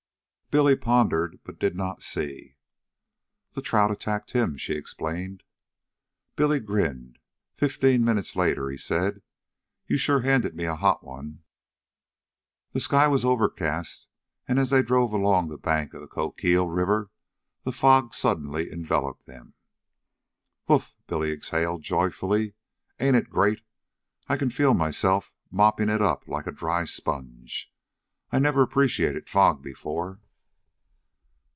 Billy pondered, but did not see. "The trout attacked him," she explained. Billy grinned. Fifteen minutes later he said: "You sure handed me a hot one." The sky was overcast, and, as they drove along the bank of the Coquille River, the fog suddenly enveloped them. "Whoof!" Billy exhaled joyfully. "Ain't it great! I can feel myself moppin' it up like a dry sponge. I never appreciated fog before."